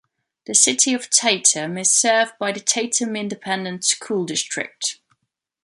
The City of Tatum is served by the Tatum Independent School District.